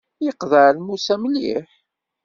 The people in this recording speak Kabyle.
Yeqḍeɛ lmus-a mliḥ.